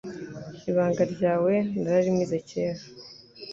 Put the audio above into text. Ibanga ryawe nararimize cyera